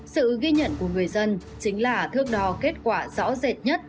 sự ghi nhận của người dân chính là thước đo kết quả rõ rệt nhất